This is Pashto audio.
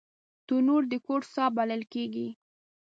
تنور د کور ساه بلل کېږي